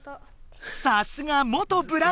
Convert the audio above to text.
さすが元ブラスバンド部！